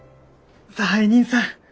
差配人さん。